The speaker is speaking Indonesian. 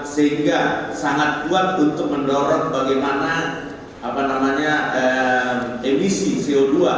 sehingga sangat kuat untuk mendorong bagaimana emisi co dua